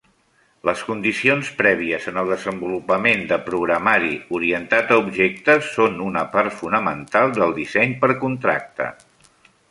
Les condicions prèvies en el desenvolupament de programari orientat a objectes són una part fonamental del disseny per contracte.